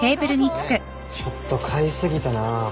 ちょっと買い過ぎたなぁ。